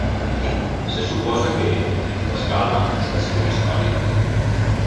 Se suposa que, en petita escala, estàs fent història